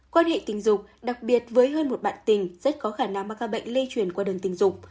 quan hệ tình dục đặc biệt với hơn một bạn tình rất có khả năng mang các bệnh lây truyền qua đường tình dục